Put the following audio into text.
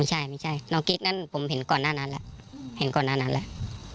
แต่ไม่ใช่น้องกิ๊กไม่ใช่น้องกิ๊กนั้นผมเห็นก่อนหน้านั้นแหละ